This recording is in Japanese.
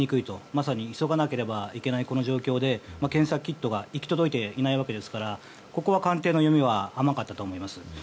まさに急がなければいけないこの状況で検査キットが行き届いていないわけですからここは官邸の読みは甘かったと思います。